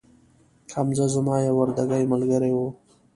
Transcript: حمزه زما یو وردکې ملګري وو